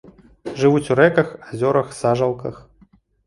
Жывуць у рэках, азёрах, сажалках.